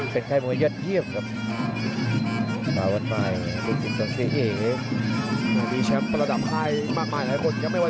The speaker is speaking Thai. เป็นไข้มวยยัดเยียบครับ